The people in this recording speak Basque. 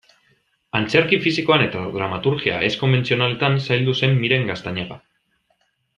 Antzerki fisikoan eta dramaturgia ez-konbentzionaletan zaildu zen Miren Gaztañaga.